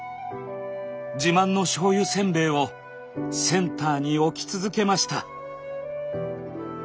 自慢の醤油せんべいをセンターに置き続けました。